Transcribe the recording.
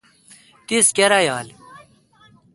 تیس کرایال؟